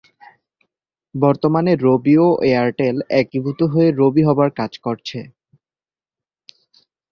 বর্তমানে রবি ও এয়ারটেল একীভূত হয়ে রবি হবার কাজ করছে।